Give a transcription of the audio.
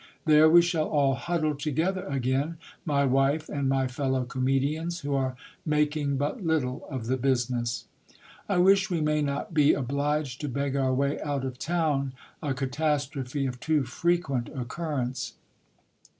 There we shall all huddle together again, my wife and my fel low comedians, who are making but little of the business. I wish we may not be obliged to beg our way out of town ; a catastrophe of too frequent occurrence